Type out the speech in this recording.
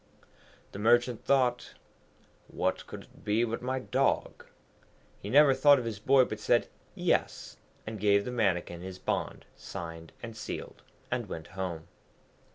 The Merchant thought, 'What could it be but my dog?' He never thought of his boy, but said Yes, and gave the Mannikin his bond signed and sealed, and went home.